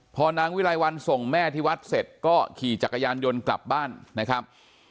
พอนางวิไลวันส่งแม่ที่วัดเสร็จก็ขี่จักรยานยนต์กลับบ้านนะครับ